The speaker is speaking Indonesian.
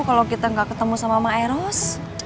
kalau kita nggak ketemu sama mama eros